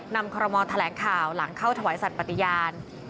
คอรมอลแถลงข่าวหลังเข้าถวายสัตว์ปฏิญาณ